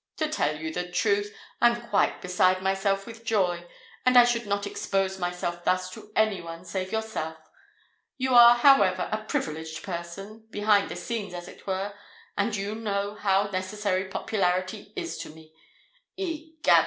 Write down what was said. "To tell you the truth, I am quite beside myself with joy; but I should not expose myself thus to any one save yourself. You are, however, a privileged person—behind the scenes, as it were; and you know how necessary popularity is to me. Egad!